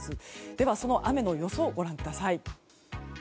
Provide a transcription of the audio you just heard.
では、その雨の予想をご覧ください。